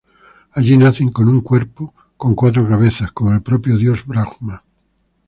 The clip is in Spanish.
Allí nacen con un cuerpo con cuatro cabezas, como el propio dios Brahmá.